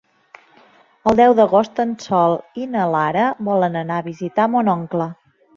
El deu d'agost en Sol i na Lara volen anar a visitar mon oncle.